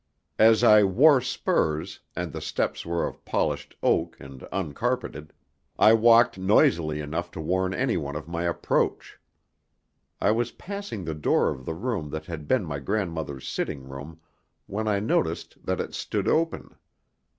As I wore spurs, and the steps were of polished oak and uncarpeted, I walked noisily enough to warn anyone of my approach. I was passing the door of the room that had been my grandmother's sitting room, when I noticed that it stood open.